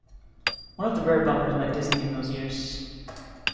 One of the rare bummers by Disney in those years.